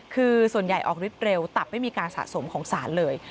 คือส่วนใหญ่ออกฤทธิเร็วตับไม่มีการสะสมของสารเลย